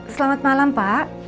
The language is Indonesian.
selamat malam pak